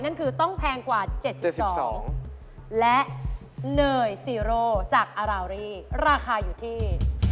นั่นคือต้องแพงกว่า๗๒และเนยซีโร่จากอารารี่ราคาอยู่ที่